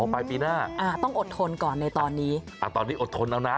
ไปปีหน้าอ่าต้องอดทนก่อนในตอนนี้อ่าตอนนี้อดทนแล้วนะ